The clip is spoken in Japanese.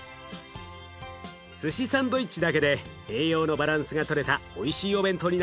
すしサンドイッチだけで栄養のバランスがとれたおいしいお弁当になりますよ。